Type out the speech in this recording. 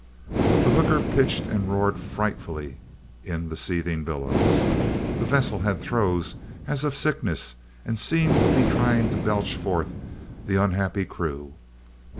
The hooker pitched and roared frightfully in the seething billows. The vessel had throes as of sickness, and seemed to be trying to belch forth the unhappy crew.